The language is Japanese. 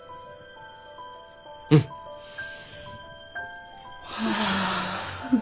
うん！はあ。